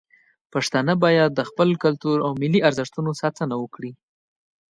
پښتانه باید د خپل کلتور او ملي ارزښتونو ساتنه وکړي.